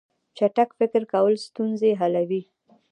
چټک فکر کول ستونزې حلوي.